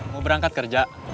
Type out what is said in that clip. mau berangkat kerja